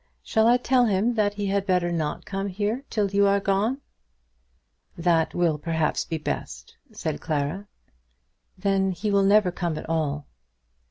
Shall I tell him that he had better not come here till you are gone?" "That will perhaps be best," said Clara. "Then he will never come at all."